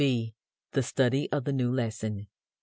(b) The Study of the New Lesson.